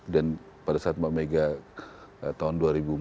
dan pada saat mbak mega tahun dua ribu empat belas